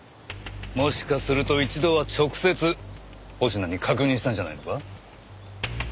もしかすると一度は直接保科に確認したんじゃないのか？